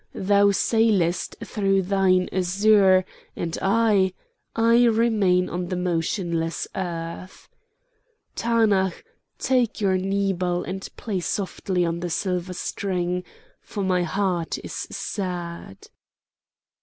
thou sailest through thine azure, and I—I remain on the motionless earth. "Taanach, take your nebal and play softly on the silver string, for my heart is sad!"